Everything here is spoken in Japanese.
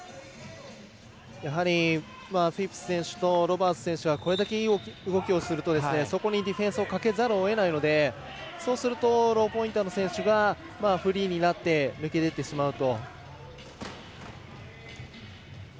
やはりフィップス選手とロバーツ選手がこれだけいい動きをするとそこにディフェンスをかけざるを得ないのでそうするとローポインターの選手がフリーになって抜け出てしまうと。